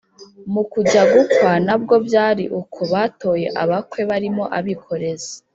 Mu kujya gukwa na bwo byari uko. Batoye abakwe barimo abikorezi,